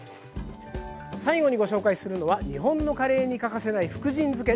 最後にご紹介するのは日本のカレーに欠かせない福神漬け。